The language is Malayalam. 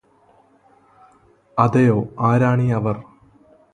അതെയോ ആരാണീ അവര്